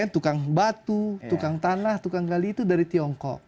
tukang batu tukang tanah tukang gali itu dari tiongkok